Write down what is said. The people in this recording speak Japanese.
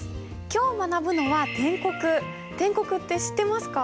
今日学ぶのは篆刻って知ってますか？